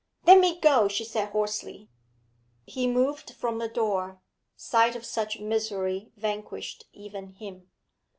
'Let me go!' she said hoarsely. He moved from the door; sight of such misery vanquished even him.